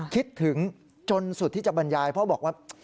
คิดถึงจนสุดที่จะบรรยายเพราะบอกว่า